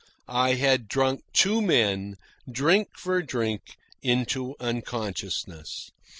I had drunk two men, drink for drink, into unconsciousness.